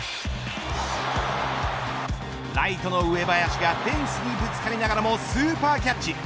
ライトの上林がフェンスにぶつかりながらもスーパーキャッチ。